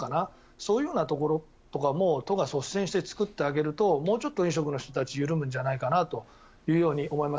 そういうところとかも都が率先して作ってあげるともうちょっと飲食の人たち緩むんじゃないかと思います。